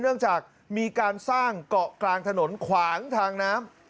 เนื่องจากมีการสร้างเกาะกลางถนนขวางทางน้ำ